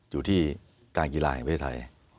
อยู่ที่การกีฬาแห่งประเทศไทย